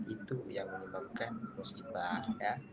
itu yang menyebabkan musibah